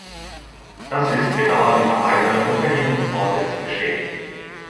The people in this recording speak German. Das ist bedauerlicherweise unter Ihrem Vorsitz geschehen.